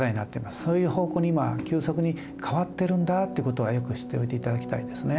そういう方向に今急速に変わってるんだってことはよく知っておいていただきたいですね。